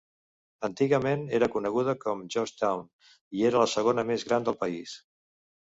Antigament era coneguda com Georgetown i era la segona més gran del país.